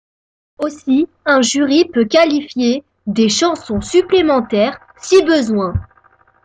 Aussi, un jury peut qualifier des chansons supplémentaires si besoin.